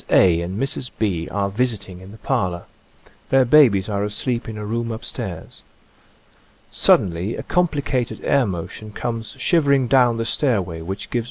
A. and Mrs. B. are visiting in the parlor. Their babies are asleep in a room up stairs. Suddenly a complicated air motion comes shivering down the stairway which gives Mrs. A.